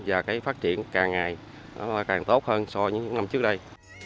và cái phát triển càng ngày nó càng tốt hơn so với những năm trước đây